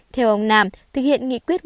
theo ông nam thực hiện nghị quyết một mươi hai